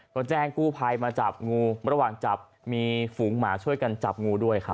ก็แจ้งกู้ภัยมาจับงูระหว่างจับมีฝูงหมาช่วยกันจับงูด้วยครับ